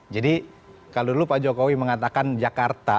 jadi kalau dulu pak jokowi mengatakan jakarta